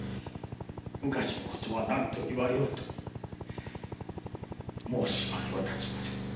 昔の事は何と言われようと申し訳はできません。